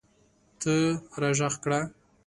ته راږغ کړه